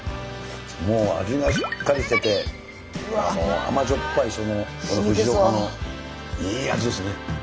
もう味がしっかりしてて甘じょっぱい藤岡のいい味ですね。